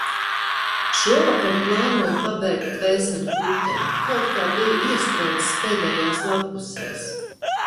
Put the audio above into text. Šovakar plānoju pabeigt "Dvēseļu puteni". Kaut kā biju iestrēdzis pēdējās lappusēs.